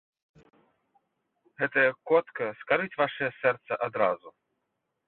Гэтая котка скарыць вашае сэрца адразу.